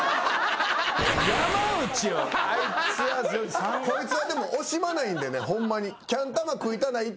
こいつはでも惜しまないんでねホンマに。